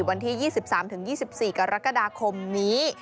วันที่๒๓๒๔กรกฎาคมนี้